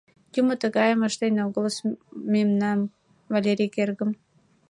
Юмо тыгайым ыштен огылыс мемнам, Валерик эргым!